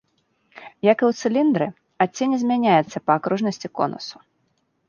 Як і ў цыліндры, адценне змяняецца па акружнасці конусу.